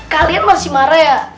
kalian masih marah ya